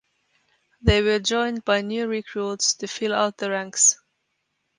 They were joined by new recruits to fill out the ranks.